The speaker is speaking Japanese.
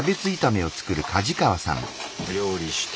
料理して。